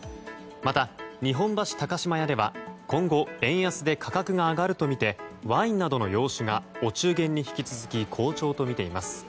また、日本橋高島屋では今後円安で価格が上がるとみてワインなどの洋酒がお中元に引き続き好調とみています。